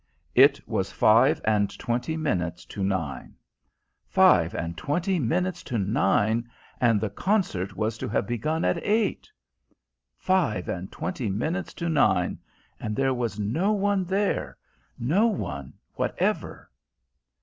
It was five and twenty minutes to nine. Five and twenty minutes to nine, and the concert was to have begun at eight! Five and twenty minutes to nine, and there was no one there no one whatever!